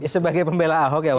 sebagai pembela ahok ya pak